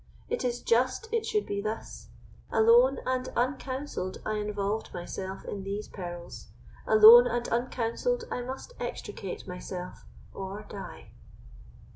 It is just it should be thus. Alone and uncounselled, I involved myself in these perils; alone and uncounselled, I must extricate myself or die."